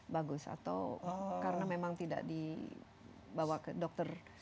bagus atau karena memang tidak dibawa ke dokter